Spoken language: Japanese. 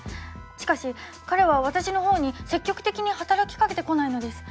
しかし彼は私の方に積極的に働きかけてこないのです。